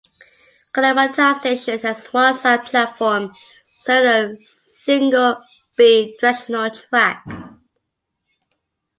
Kanomata Station has one side platform serving a single bi-directional track.